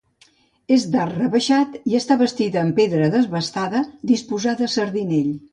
És d'arc rebaixat i està bastida en pedra desbastada disposada a sardinell.